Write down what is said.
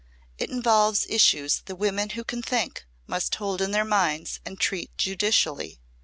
"It involves issues the women who can think must hold in their minds and treat judicially.